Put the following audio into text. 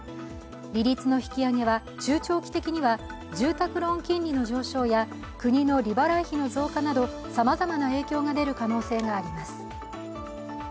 利率の引き上げは中長期的には住宅ローン金利の上昇や国の利払い費の増加などさまざまな影響が出る可能性があります。